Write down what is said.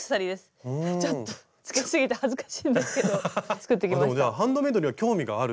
つけすぎて恥ずかしいんですけど作ってきました。